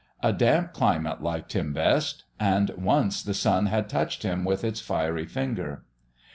A damp climate liked him best, and once the sun had touched him with its fiery finger.